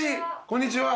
こんにちは。